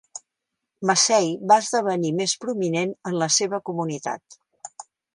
Massey va esdevenir més prominent en la seva comunitat.